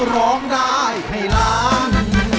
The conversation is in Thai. ร้องได้ให้ล้าน